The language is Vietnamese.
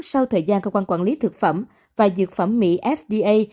sau thời gian cơ quan quản lý thực phẩm và dược phẩm mỹ fda